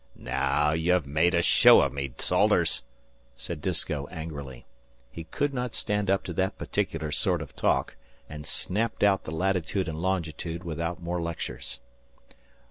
"Naow you've made a show o' me, Salters," said Disko, angrily. He could not stand up to that particular sort of talk, and snapped out the latitude and longitude without more lectures.